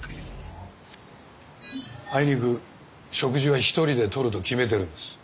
あいにく食事は一人でとると決めてるんです。